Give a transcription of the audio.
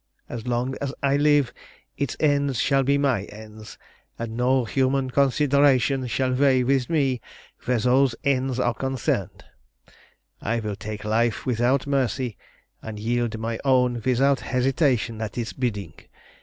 As long as I live its ends shall be my ends, and no human considerations shall weigh with me where those ends are concerned. I will take life without mercy, and yield my own without hesitation at its bidding.